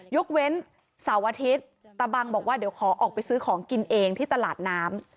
ยกเว้นเสาร์อาทิตย์ตะบังบอกว่าเดี๋ยวขอออกไปซื้อของกินเองที่ตลาดน้ำ